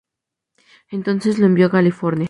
Entonces, lo envió a California.